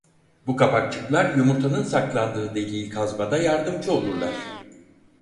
Bu kapakçıklar yumurtanın saklandığı deliği kazmada yardımcı olurlar.